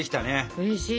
うれしい！